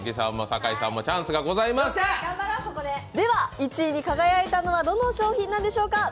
１位に輝いたのはどの商品なんでしょうか。